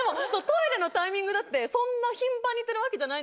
トイレのタイミングだって。